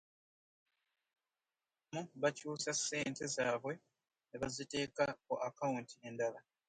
Beeni ne Saamu bakyusa sente zabwe nebaziteeka ku akawunti endala .